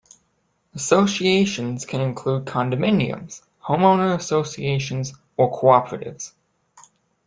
Associations can include condominiums, homeowner associations or cooperatives.